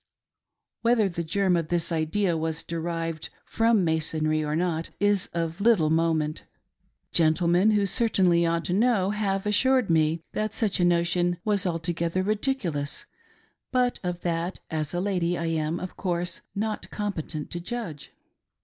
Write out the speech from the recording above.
Whether the germ of this idea was derived from Masonry, or not, is of little moment. Gentlemen who certainly ought to know have assured me that such a notion was altogether ridiculous ; but of that, as a lady, I am, of course, not competent to judge.